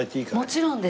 もちろんです。